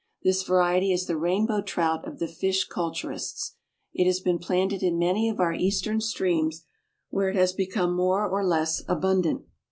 This variety is the Rainbow Trout of the fish culturists. It has been planted in many of our eastern streams, where it has become more or less abundant.